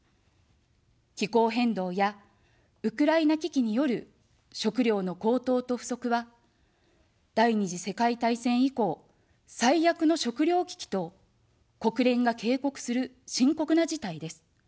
気候変動やウクライナ危機による食糧の高騰と不足は、第二次世界大戦以降、最悪の食糧危機と国連が警告する深刻な事態です。